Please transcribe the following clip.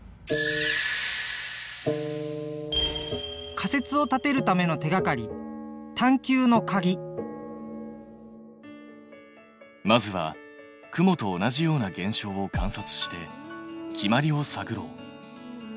仮説を立てるための手がかりまずは雲と同じような現象を観察して決まりを探ろう。